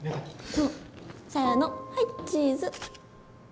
せのはいチーズ。